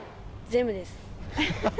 全部です。